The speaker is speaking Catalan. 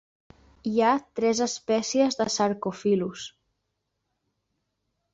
Hi ha tres espècies de "Sarcophilus".